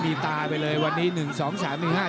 นัทบ้านมาตีเขา